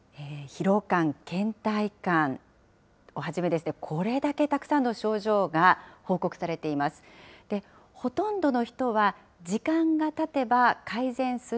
疲労感、けん怠感をはじめ、これだけたくさんの症状が報告されています。